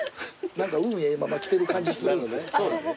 何か運ええまま来てる感じするんすよ。